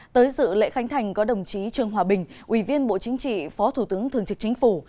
tới dự lễ khánh thành có đồng chí trương hòa bình ủy viên bộ chính trị phó thủ tướng thường trực chính phủ